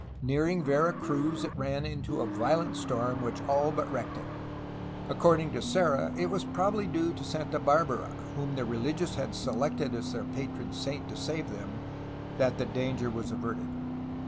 Nearing Vera Cruz it ran into a violent storm which all but wrecked it. According to Serra it was probably due to Santa Barbara, whom the religious had selected as their patron saint to save them, that the danger was averted.